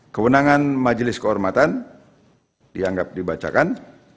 kewenangan majelis kehormatan dianggap dibacakan